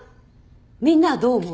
みんなはどう思う？